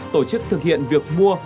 tổ chức thực hiện việc mua